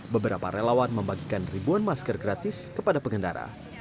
beberapa relawan membagikan ribuan masker gratis kepada pengendara